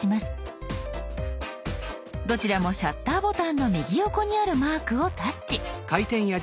どちらもシャッターボタンの右横にあるマークをタッチ。